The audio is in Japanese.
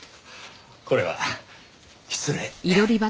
これは失礼。